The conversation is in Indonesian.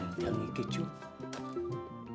jangan orang orang fourth